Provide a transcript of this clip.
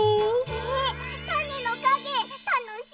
えったねのかげたのしみ！